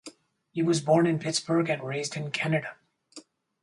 He was born in Pittsburgh and raised in Canada.